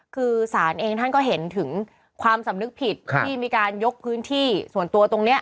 คือศาลเองท่านก็เห็นถึงความสำนึกผิดที่มีการยกพื้นที่ส่วนตัวตรงนี้